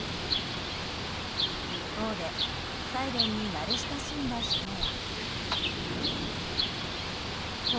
一方でサイレンに慣れ親しんだ人は。